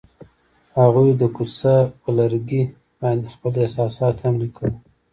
هغوی د کوڅه پر لرګي باندې خپل احساسات هم لیکل.